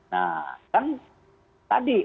nah kan tadi